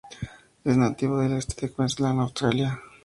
Es nativo del este de Queensland, Australia.